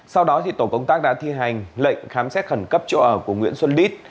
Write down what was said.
sau đó tổ công tác đã thi hành lệnh khám xét khẩn cấp chỗ ở của nguyễn xuân lít